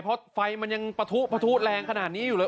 เพราะไฟมันยังปะทุปะทุแรงขนาดนี้อยู่เลย